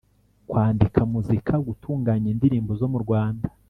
kwandika muzika, gutunganya indirimbo zo murwanda